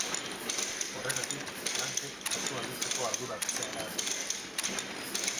Horregatik, Frankek kasua argitzeko ardura hartzea erabaki du.